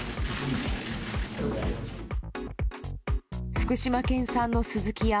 福島県産のスズキヤ